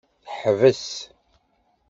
Teḥbes.